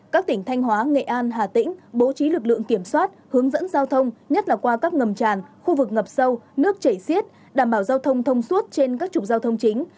các tỉnh thanh hóa nghệ an hà tĩnh bố trí lực lượng kiểm soát hướng dẫn giao thông nhất là qua các ngầm tràn khu vực ngập sâu nước chảy xiết đảm bảo giao thông thông suốt trên các trục giao thông chính